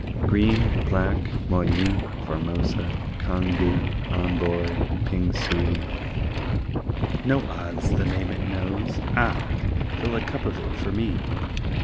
Green, Black, Moyune, Formosa, Congou, Amboy, Pingsuey No odds the name it knows ah! Fill a cup of it for me!